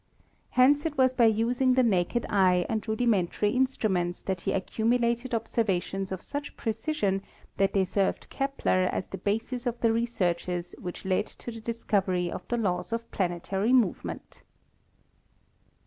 Hence it was by using the naked eye and rudimentary instruments that he accumu lated observations of such precision that they served Kepler as the basis of the researches which led to the dis covery of the laws of planetary movement.